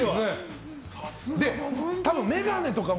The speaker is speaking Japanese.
多分、眼鏡とかも。